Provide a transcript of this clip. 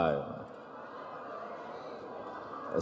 ini ada apa